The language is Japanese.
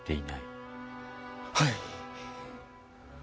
はい。